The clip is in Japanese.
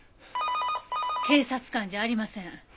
警察官じゃありません。